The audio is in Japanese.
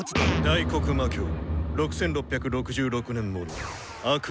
「『大黒魔境』６６６６年もの悪の雫」。